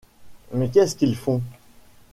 Mais qu’est-ce qu’ils font ?